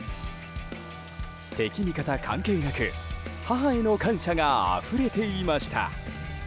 敵味方関係なく母への感謝があふれていました。